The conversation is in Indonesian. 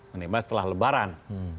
mendingan setelah lebaran